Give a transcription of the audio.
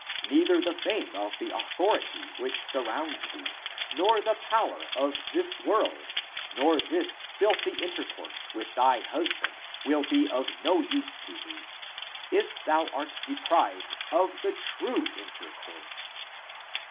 Neither the fame of the authority which surrounds thee, nor the power of this world, nor this filthy intercourse with thy hus band will be of use to thee, if thou art deprived of the true intercourse.